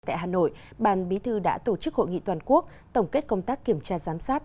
tại hà nội ban bí thư đã tổ chức hội nghị toàn quốc tổng kết công tác kiểm tra giám sát